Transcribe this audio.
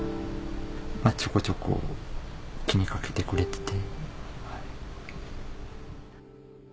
ちょこちょこ気に掛けてくれてて。